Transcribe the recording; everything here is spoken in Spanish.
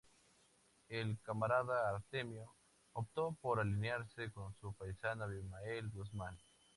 El "camarada Artemio" optó por alinearse con su paisano Abimael Guzmán.